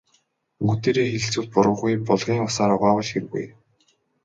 Бүгдээрээ хэлэлцвэл буруугүй, булгийн усаар угаавал хиргүй.